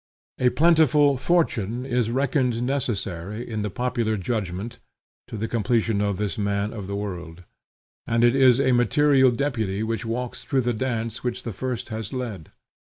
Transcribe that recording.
A plentiful fortune is reckoned necessary, in the popular judgment, to the completion of this man of the world; and it is a material deputy which walks through the dance which the first has led.